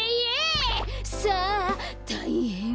さぁたいへぇん！